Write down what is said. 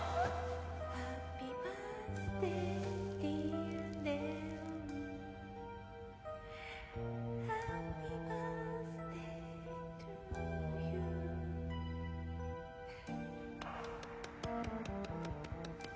「ハッピーバースデーディア祢音」「ハッピーバースデートゥユー」